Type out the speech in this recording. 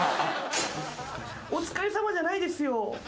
「お疲れさま」じゃないですよ。